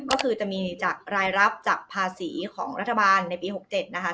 ก็คือจะมีจากรายรับจากภาษีของรัฐบาลในปี๖๗นะคะ